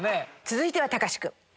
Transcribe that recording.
続いては隆史君。